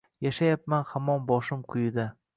Yashayapman hamon boshim quyida